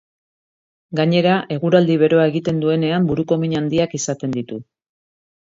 Gainera, eguraldi beroa egiten duenean buruko min handiak izaten ditu.